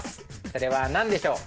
それはなんでしょう？